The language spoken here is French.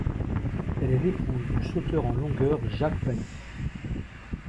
Elle est l'épouse du sauteur en longueur Jack Pani.